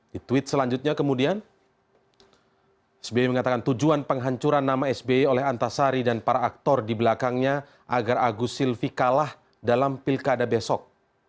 di tweet selanjutnya kemudian sbi mengatakan tujuan penghancuran nama sby oleh antasari dan para aktor di belakangnya agar agus silvi kalah dalam pilkada besok